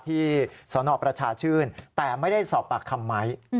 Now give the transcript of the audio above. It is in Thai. สนประชาชื่นแต่ไม่ได้สอบปากคำไม้